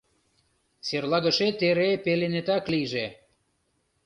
Серлагышет эре пеленетак лийже.